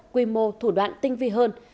quy mô thủ đoạn tinh vi hơn